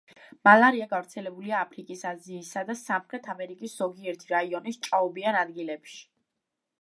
მალარია გავრცელებულია აფრიკის, აზიისა და სამხრეთ ამერიკის ზოგიერთი რაიონის ჭაობიან ადგილებში.